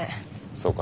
そうか。